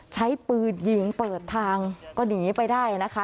ใช้ปืนยิงเปิดทางก็หนีไปได้นะคะ